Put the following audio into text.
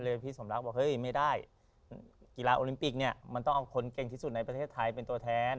พี่สมรักบอกเฮ้ยไม่ได้กีฬาโอลิมปิกเนี่ยมันต้องเอาคนเก่งที่สุดในประเทศไทยเป็นตัวแทน